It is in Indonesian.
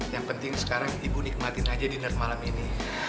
yang penting sekarang ibu nikmatin aja dinner malam ini